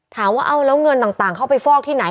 ถามว่าเอาแล้วเงินต่างเข้าไปฟอกที่ไหน